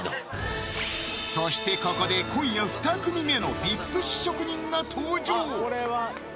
そしてここで今夜２組目のＶＩＰ試食人が登場！